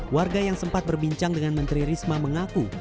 warga yang sempat berbincang dengan menteri risma mengaku